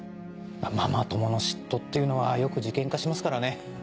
ママ友の嫉妬っていうのはよく事件化しますからね。